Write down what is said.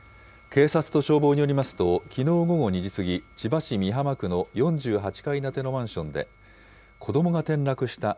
警察と消防によりますと、きのう午後２時過ぎ、千葉市美浜区の４８階建てのマンションで、子どもが転落した。